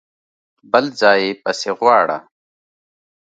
بل ځای يې پسې غواړه!